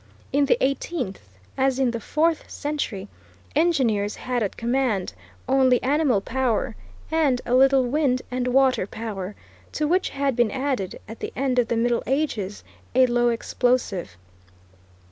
In the eighteenth, as in the fourth century, engineers had at command only animal power, and a little wind and water power, to which had been added, at the end of the Middle Ages, a low explosive.